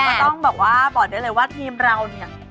ก็ต้องบอกว่าบอกได้เลยว่าทีมเราเนี่ย